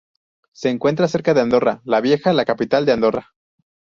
Se encuentra cerca de Andorra la Vieja, la capital de Andorra.